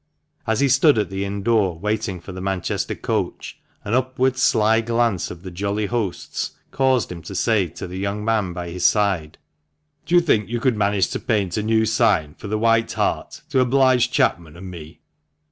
As he stood at the inn door waiting for the Manchester coach, an upward sly glance of the jolly host's caused him to say to the young man by his side, "Do you think you could manage to paint a new sign for the 'White Hart,' to oblige Chapman and me?"